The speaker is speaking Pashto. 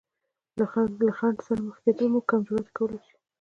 له خنډ سره مخ کېدل مو کم جراته کولی شي.